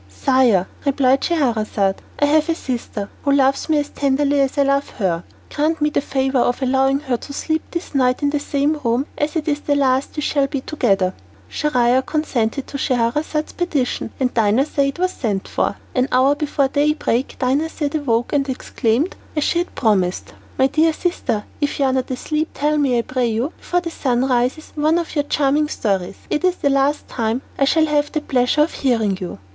"Sire," replied Scheherazade, "I have a sister who loves me as tenderly as I love her. Grant me the favour of allowing her to sleep this night in the same room, as it is the last we shall be together." Schahriar consented to Scheherazade's petition and Dinarzade was sent for. An hour before daybreak Dinarzade awoke, and exclaimed, as she had promised, "My dear sister, if you are not asleep, tell me I pray you, before the sun rises, one of your charming stories. It is the last time that I shall have the pleasure of hearing you."